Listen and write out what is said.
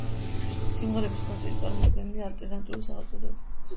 სიმღერების ნაწილი წარმოდგენილია ალტერნატიული სახელწოდებებით.